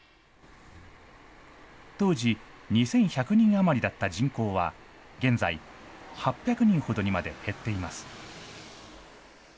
当時、２１００人余りだった人口は、現在、８００人ほどにまで減っています。